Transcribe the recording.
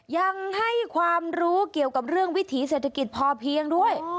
ยังให้ความรู้เกี่ยวกับเรื่องวิถีเศรษฐกิจพอเพียงด้วย